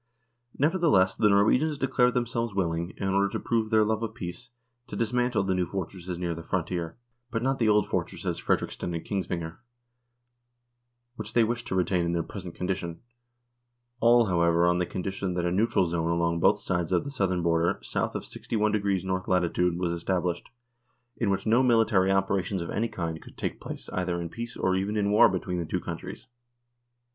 Nevertheless the Norwegians declared themselves willing, in order to prove their love of peace, to dis mantle the new fortifications near the frontier, but not the old fortresses Frederiksten and Kingsvinger, which they wished to retain in their present condition, all, however, on the condition that a neutral zone along both sides of the southern frontier, south of 61 N.L., was established, in which no military opera tions of any kind could take place either in peace or even in war between the two countries.